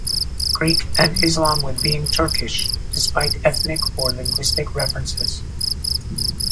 Greek, and Islam with being Turkish, despite ethnic or linguistic references.